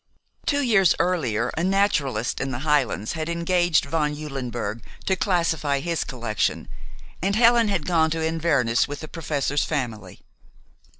Two years earlier, a naturalist in the Highlands had engaged von Eulenberg to classify his collection, and Helen had gone to Inverness with the professor's family.